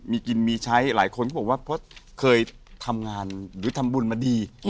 มีกินมีใช้หลายคนก็บอกว่าเพราะเคยทำงานหรือทำบุญมาดี